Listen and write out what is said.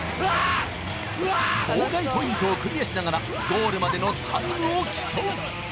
うわ！妨害ポイントをクリアしながらゴールまでのタイムを競う